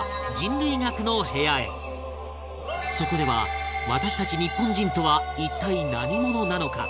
そこでは、私たち日本人とは一体、何者なのか？